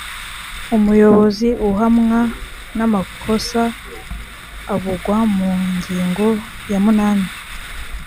umuyobozi uhamwa n’amakosa avugwa mu ngingo ya munani